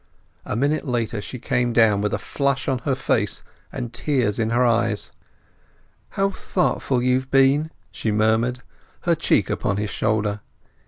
A minute later she came down with a flush on her face and tears in her eyes. "How thoughtful you've been!" she murmured, her cheek upon his shoulder.